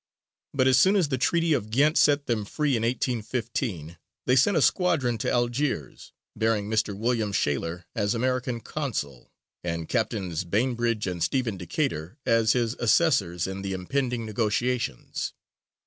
But as soon as the Treaty of Ghent set them free in 1815 they sent a squadron to Algiers, bearing Mr. William Shaler as American consul, and Captains Bainbridge and Stephen Decatur as his assessors in the impending negotiations.